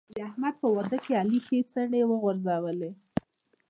د احمد په واده کې علي ښې څڼې وغورځولې.